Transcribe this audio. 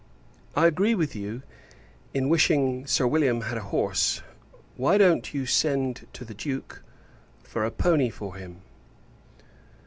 I agree with you, in wishing Sir William had a horse. Why don't you send to the Duke, for a poney for him.